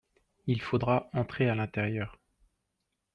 il faudra entrer à l'intérieur.